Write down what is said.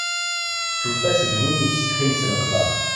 Tufa-t d win yettsetḥin s leqder.